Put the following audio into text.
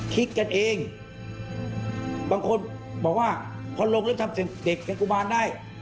คิดกันเองบางคนบอกว่าพอลงเริ่มทำเสียงเด็กเชียงกุมารได้